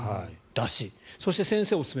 そして先生おすすめ